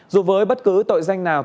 dù với bất cứ tội danh nào